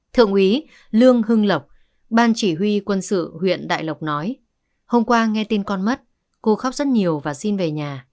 thượng úy lương hưng lộc ban chỉ huy quân sự huyện đại lộc nói hôm qua nghe tin con mất cô khóc rất nhiều và xin về nhà